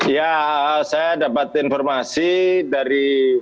ya saya dapat informasi dari